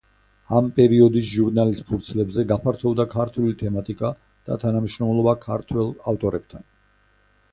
ამ პერიოდის ჟურნალის ფურცლებზე გაფართოვდა ქართული თემატიკა და თანამშრომლობა ქართველ ავტორებთან.